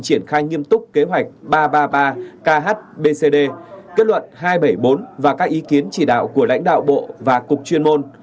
triển khai nghiêm túc kế hoạch ba trăm ba mươi ba khbcd kết luận hai trăm bảy mươi bốn và các ý kiến chỉ đạo của lãnh đạo bộ và cục chuyên môn